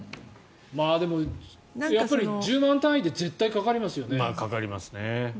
でも、１０万単位で絶対にかかりますよね。